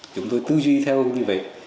chúng tôi tư duy theo như vậy